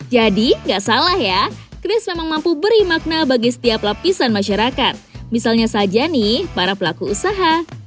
jadi gak salah ya chris memang mampu beri makna bagi setiap lapisan masyarakat misalnya saja nih para pelaku usaha